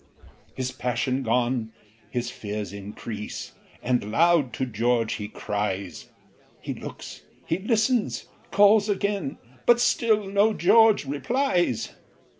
His passion gone, his fears increase, And loud to George he cries; He looks he listens calls again, But still no George replies.